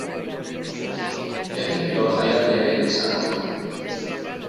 Herri kirol jaialdia ere izango da.